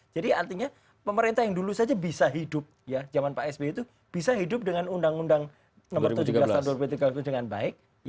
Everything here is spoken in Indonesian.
jadi artinya pemerintah yang dulu saja bisa hidup ya zaman pak s b itu bisa hidup dengan undang undang nomor tujuh belas tahun dua ribu tiga belas itu dengan baik